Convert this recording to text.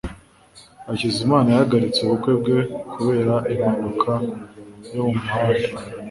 hakizimana yahagaritse ubukwe bwe kubera impanuka yo mu muhanda